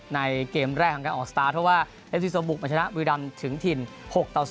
เกมแรกของการออกสตาร์ทเพราะว่าเอฟซีโซบุกมาชนะบุรีรำถึงถิ่น๖ต่อ๐